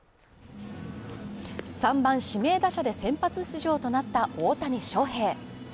３番・指名打者で先発出場となった大谷翔平